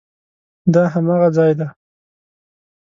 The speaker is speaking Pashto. دا هماغه ځای دی؟